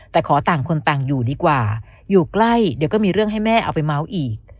แต่ขอต่างคนต่างอยู่ดีกว่าอยู่ใกล้เดี๋ยวก็มีเรื่องให้แม่เอาไปเมาส์อีก